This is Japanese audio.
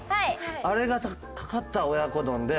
あれがかかった親子丼で。